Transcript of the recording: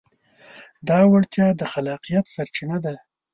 دا وړتیا د خلاقیت سرچینه ده.